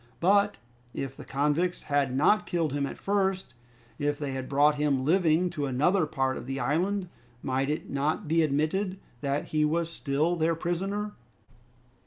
But if the convicts had not killed him at first, if they had brought him living to another part of the island, might it not be admitted that he was still their prisoner?